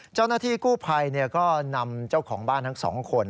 เจ้าหน้าที่กู้ภัยก็นำเจ้าของบ้านทั้งสองคน